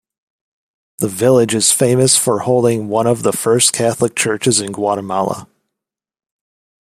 The village is famous for holding one of the first Catholic churches in Guatemala.